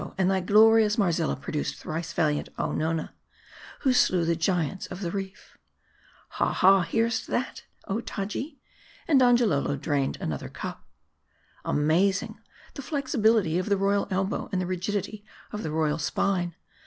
And thy glorious Marzilla produced thrice valiant Ononna, who slew the giants of the reef." " Ha, ha, hear'st that, oh Taji ?" And Donjalolo drain ed another cup. Amazing ! the flexibility of the royal elbow, and the rigid ity of the royal spine